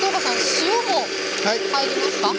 塩も入りますか？